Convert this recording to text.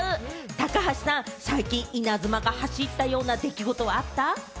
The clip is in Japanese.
高橋さん、最近イナズマが走ったような出来事はあった？